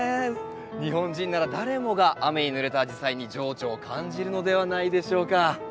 日本人なら誰もが雨にぬれたアジサイに情緒を感じるのではないでしょうか。